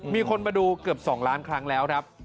มีคนมาดูเกือบ๒ล้านครั้งแล้วครับ